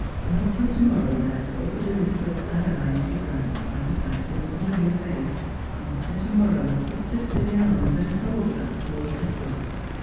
Not till to morrow therefore could Elizabeth's sad eyes be glad dened by the sight of a familiar face, not till to morrow could fiiflterly arms enibld that poor suffei er.